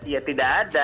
ya tidak ada